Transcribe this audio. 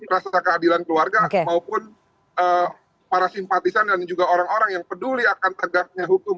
rasa keadilan keluarga maupun para simpatisan dan juga orang orang yang peduli akan tegaknya hukum